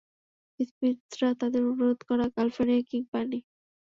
সিম্পসনরা তাদের অনুরোধ করা ক্যালিফোর্নিয়া কিং পায়নি।